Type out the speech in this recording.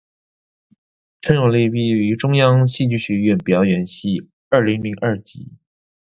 车永莉毕业于中央戏剧学院表演系。